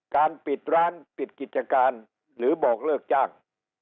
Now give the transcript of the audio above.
ปิดร้านปิดกิจการหรือบอกเลิกจ้าง